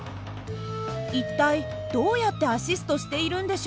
一体どうやってアシストしているんでしょうか？